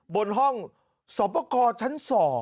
บนห้องสปกรชั้น๒